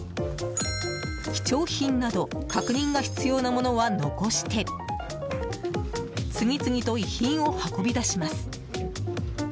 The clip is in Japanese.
貴重品など確認が必要なものは残して次々と遺品を運び出します。